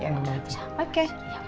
ya udah oke